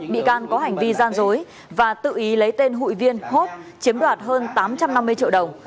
bị can có hành vi gian dối và tự ý lấy tên hụi viên hốp chiếm đoạt hơn tám trăm năm mươi triệu đồng